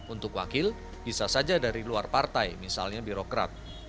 untuk wakil bisa saja dari luar partai misalnya birokrat